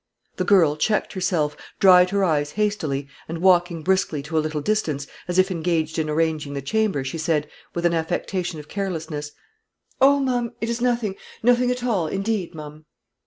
The girl checked herself, dried her eyes hastily, and walking briskly to a little distance, as if engaged in arranging the chamber, she said, with an affectation of carelessness "Oh, ma'am, it is nothing; nothing at all, indeed, ma'am."